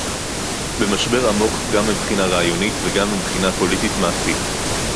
במשבר עמוק גם מבחינה רעיונית וגם מבחינה פוליטית מעשית